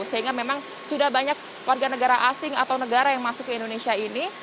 sehingga memang sudah banyak warga negara asing atau negara yang masuk ke indonesia ini